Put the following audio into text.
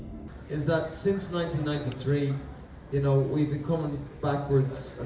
kami menjelaskan bahwa sejak tahun seribu sembilan ratus sembilan puluh tiga kami menjadi maaf kami menjadi kembali bersama